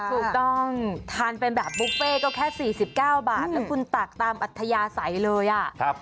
ถูกต้องทานเป็นแบบบุฟเฟ่ก็แค่๔๙บาทแล้วคุณตักตามอัธยาศัยเลยอ่ะ